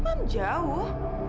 amerika kan jauh